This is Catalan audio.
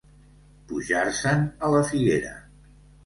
Pujar-se'n a la figuera.